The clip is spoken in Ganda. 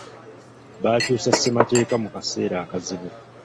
Baakyusa ssemateeka mu kaseera akazibu.